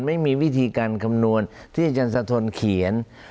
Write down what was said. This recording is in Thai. ไม่มีวิธีการคำนวณที่อาจารย์สะทนเขียน